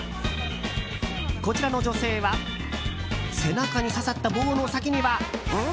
こちらの女性は背中にささった棒の先にはん？